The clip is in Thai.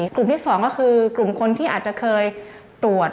กลุ่มที่๒ก็คือกลุ่มคนที่อาจจะเคยตรวจ